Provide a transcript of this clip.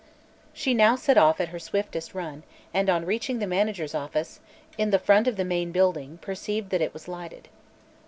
She now set off at her swiftest run and on reaching the manager's office, in the front of the main building, perceived that it was lighted.